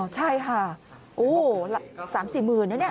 อ๋อใช่ฮะโอ้โหสามสี่หมื่นน่ะเนี่ย